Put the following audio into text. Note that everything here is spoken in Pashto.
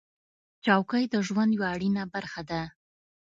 چوکۍ د ژوند یوه اړینه برخه ده.